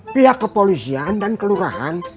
pihak kepolisian dan kelurahan